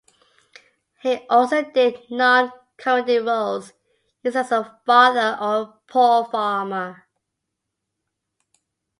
He also did non-comedic roles usually as a father or a poor farmer.